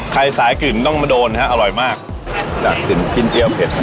ใครสายกลื่นต้องมาโดนนะครับอร่อยมากจะอยากขึ้นกินเที่ยวเผ็ดนะครับ